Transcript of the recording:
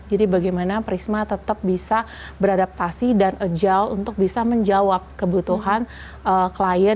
jadi bagaimana prisma tetap bisa beradaptasi dan agile untuk bisa menjawab kebutuhan klien